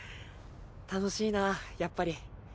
楽しいなやっぱり。